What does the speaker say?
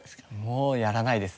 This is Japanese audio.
もうやらないです